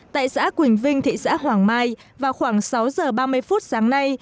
tại xã quỳnh vinh thị xã hoàng mai vào khoảng sáu giờ ba mươi phút sáng nay